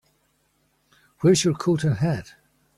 Where's your coat and hat?